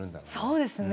そうですね。